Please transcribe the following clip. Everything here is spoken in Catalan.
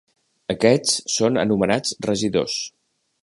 Aquests són anomenats regidors.